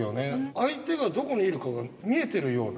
相手がどこにいるかが見えているような。